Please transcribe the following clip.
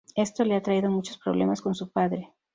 Esto le ha traído muchos problemas con su padre.